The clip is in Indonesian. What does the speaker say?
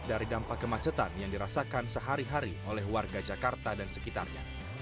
dari dampak kemacetan yang dirasakan sehari hari oleh warga jakarta dan sekitarnya